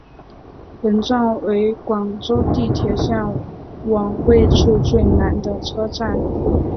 本站为广州地铁线网位处最南的车站。